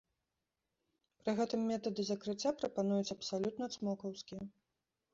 Пры гэтым метады закрыцця прапануюць абсалютна цмокаўскія.